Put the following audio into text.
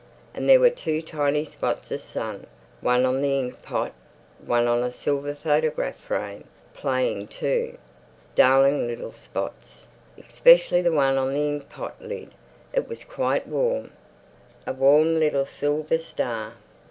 And there were two tiny spots of sun, one on the inkpot, one on a silver photograph frame, playing too. Darling little spots. Especially the one on the inkpot lid. It was quite warm. A warm little silver star.